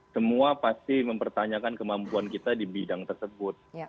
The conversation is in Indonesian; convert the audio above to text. semua pasti mempertanyakan kemampuan kita di bidang tersebut